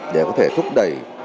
để có thể thúc đẩy